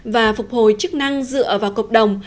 và phục hồi chức năng dựa vào cộng đồng